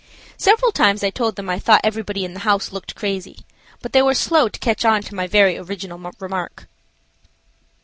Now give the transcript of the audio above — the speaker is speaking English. Several times I told them I thought everybody in the house looked crazy, but they were slow to catch on to my very original remark.